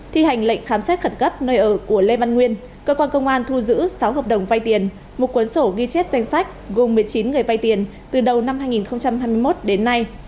thi hành lệnh khám xét khẩn cấp nơi ở của lê văn nguyên cơ quan công an thu giữ sáu hợp đồng vay tiền một cuốn sổ ghi chép danh sách gồm một mươi chín người vay tiền từ đầu năm hai nghìn hai mươi một đến nay